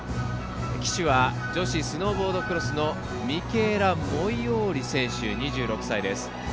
旗手は女子スノーボードクロスのミケーラ・モイオーリ選手２６歳です。